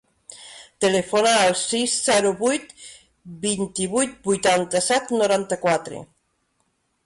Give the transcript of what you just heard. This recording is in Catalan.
Telefona al sis, zero, vuit, vint-i-vuit, vuitanta-set, noranta-quatre.